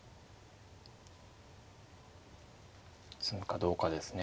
詰むかどうかですね。